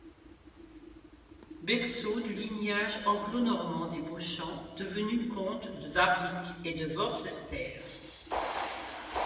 Berceau du lignage anglo-normand des Beauchamp, devenus comtes de Warwick ou de Worcester.